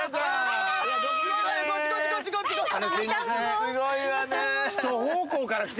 すごいわね！